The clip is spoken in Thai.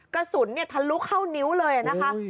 กระสุนทะลุเข้านิ้วเลยนะคะ